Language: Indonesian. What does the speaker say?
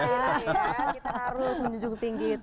kita harus menunjukkan gitu